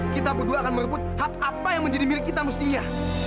kita berdua akan merebut hak apa yang menjadi milik kita mestinya